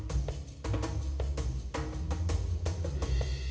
assalamualaikum warahmatullahi wabarakatuh